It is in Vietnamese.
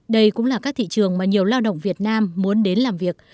đây cũng là các thị trường mà nhiều lao động việt nam muốn đến làm việc